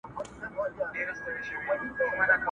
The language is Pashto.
په دې منځ کي شېردل نومي داړه مار وو.!